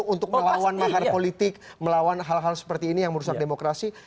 untuk melawan mahar politik melawan hal hal seperti ini yang merusak demokrasi